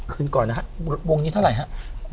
คืนก่อนนะครับวงนี้เท่าไหร่ครับ